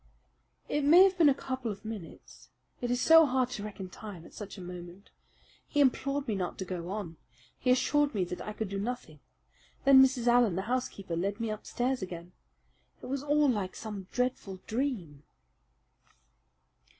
"It may have been a couple of minutes. It is so hard to reckon time at such a moment. He implored me not to go on. He assured me that I could do nothing. Then Mrs. Allen, the housekeeper, led me upstairs again. It was all like some dreadful dream."